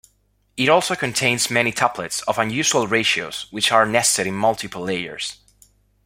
It also contains many tuplets of unusual ratios which are nested in multiple layers.